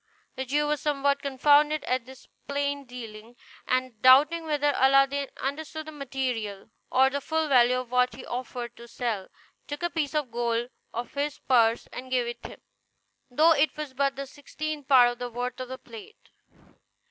The Jew was somewhat confounded at this plain dealing; and doubting whether Aladdin understood the material or the full value of what he offered to sell, took a piece of gold out of his purse and gave it him, though it was but the sixtieth part of the worth of the plate.